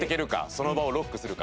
その場をロックするか？